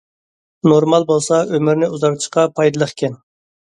نورمال بولسا ئۆمۈرنى ئۇزارتىشقا پايدىلىقكەن.